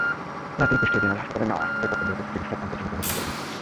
রাতেই কুষ্টিয়া জেনারেল হাসপাতালে নেওয়া হলে কর্তব্যরত চিকিৎসক অন্তরকে মৃত ঘোষণা করেন।